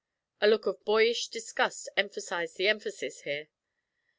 A look of boyish disgust emphasized the emphasis here.